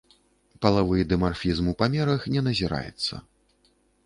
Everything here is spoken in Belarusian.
Палавы дымарфізм ў памерах не назіраецца.